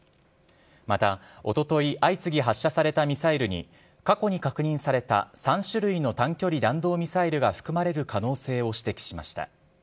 また、おととい、相次ぎ発射されたミサイルに、過去に確認された３種類の短距離弾道ミサイルが含まれる可能性を指摘しました。